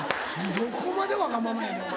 どこまでわがままやねんお前。